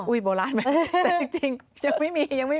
อุ๊ยโบราณไหมแต่จริงยังไม่มี